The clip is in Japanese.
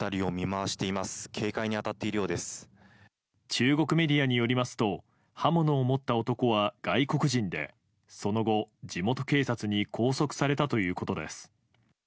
中国メディアによりますと刃物を持った男は外国人でその後、地元警察に拘束されたということです。